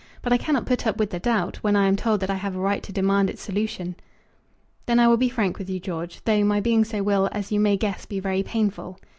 But I cannot put up with the doubt, when I am told that I have a right to demand its solution." "Then I will be frank with you, George, though my being so will, as you may guess, be very painful."